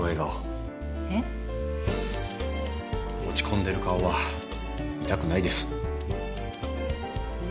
落ち込んでる顔は見たくないです。